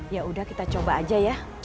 ya udah kita coba aja ya